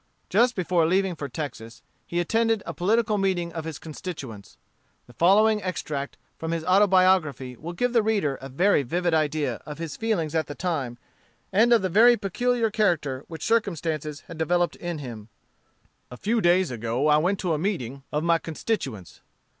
Just before leaving for Texas, he attended a political meeting of his constituents. The following extract from his autobiography will give the reader a very vivid idea of his feelings at the time, and of the very peculiar character which circumstances had developed in him: "A few days ago I went to a meeting of my constituents.